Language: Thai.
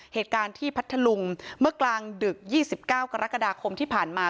เหตุการณ์ที่พัทธลุงเมื่อกลางดึก๒๙กรกฎาคมที่ผ่านมา